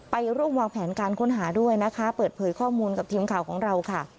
ไปร่วมวางแผนการค้นหาด้วยนะคะเปิดเผยข้อมูลกับทีมข่าวของเราค่ะ